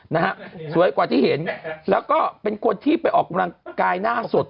นะฮะสวยกว่าที่เห็นแล้วก็เป็นคนที่ไปออกกำลังกายหน้าสด